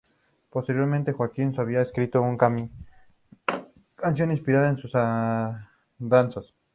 Posteriormente Joaquín Sabina escribió una canción inspirada en sus andanzas.